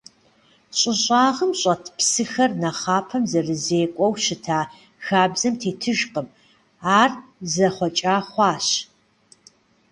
Щӏы щӏагъым щӏэт псыхэр нэхъапэм зэрызекӏуэу щыта хабзэм тетыжкъым, ар зэхъуэкӏа хъуащ.